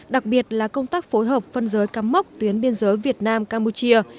đặc biệt là công tác phối hợp phân giới cắm mốc tuyến biên giới việt nam campuchia